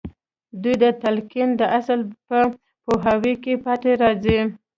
دوی د تلقين د اصل په پوهاوي کې پاتې راځي.